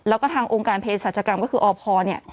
แล้วก็ทางองค์การเพศรัชกรรมก็คืออพเนี่ย